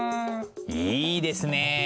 いいですねえ。